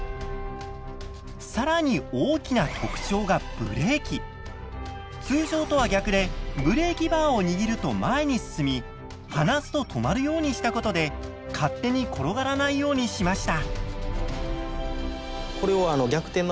更に大きな特徴がブレーキバーを握ると前に進み離すと止まるようにしたことで勝手に転がらないようにしました。